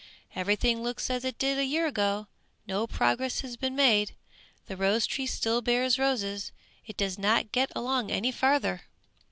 "Everything looks as it did a year ago! No progress has been made; the rose tree still bears roses; it does not get along any farther!"